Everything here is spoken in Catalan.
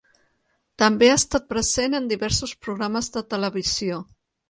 També ha estat present en diversos programes de televisió.